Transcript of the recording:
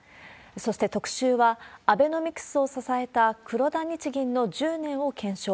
そして、特集はアベノミクスを支えた黒田日銀の１０年を検証。